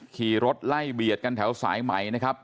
ขี่รถไล่เบียดกันแถวสายใหม่นะครับ